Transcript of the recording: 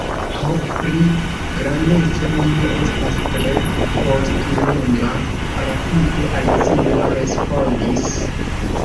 "Ho, pri grandeco, mi ne estas tre postulema," rapide Alicio respondis.